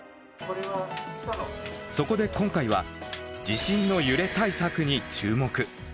そこで今回は地震の揺れ対策に注目。